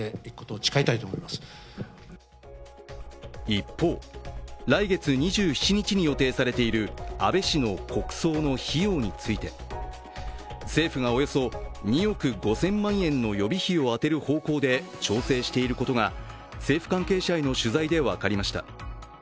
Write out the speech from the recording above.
一方、来月２７日に予定されている安倍氏の国葬の費用について、政府がおよそ２億５０００万円の予備費を充てる方向で調整していることが政府関係者への取材で分かりました。